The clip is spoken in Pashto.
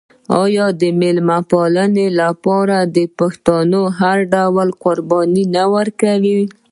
آیا د میلمه پالنې لپاره پښتون هر ډول قرباني نه ورکوي؟